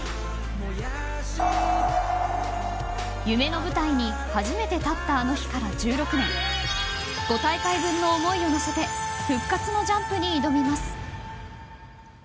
夢の世界に初めて立ったあの日から１６年５大会分の思いを乗せて復活のジャンプに挑みます。